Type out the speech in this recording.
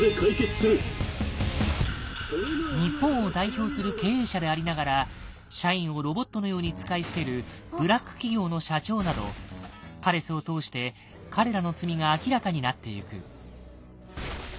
日本を代表する経営者でありながら社員をロボットのように使い捨てるブラック企業の社長などパレスを通して彼らの罪が明らかになってゆく。